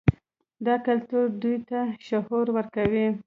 دا کلتور دوی ته شعور ورکوي.